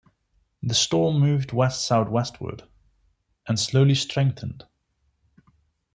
The storm moved west-southwestward and slowly strengthened.